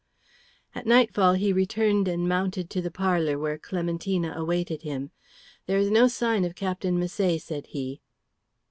At nightfall he returned and mounted to the parlour, where Clementina awaited him. "There is no sign of Captain Misset," said he.